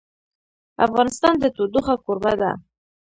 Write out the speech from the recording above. افغانستان د تودوخه کوربه دی.